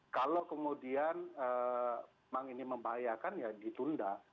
kalau kemudian memang ini membahayakan ya ditunda